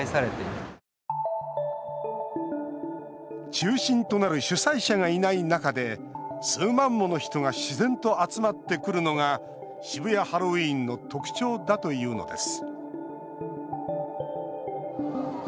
中心となる主催者がいない中で数万もの人が自然と集まってくるのが渋谷ハロウィーンの特徴だというのです。